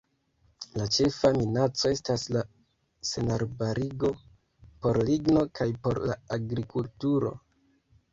La ĉefa minaco estas la senarbarigo por ligno kaj por la agrikulturo.